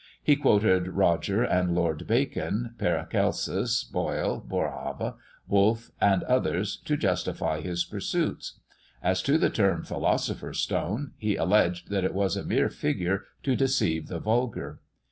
He quoted Roger and Lord Bacon, Paracelsus, Boyle, Boerhaave, Woolfe, and others, to justify his pursuits. As to the term philosopher's stone, he alleged that it was a mere figure to deceive the vulgar.